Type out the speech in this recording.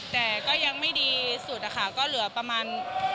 แต่ก็ยังไม่ดีสุดนะคะก็เหลือประมาณ